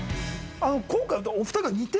今回。